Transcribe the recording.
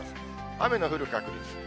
雨の降る確率。